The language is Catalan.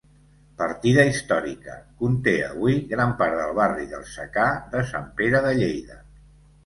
Partida històrica, conté avui gran part del barri d'El Secà de Sant Pere de Lleida.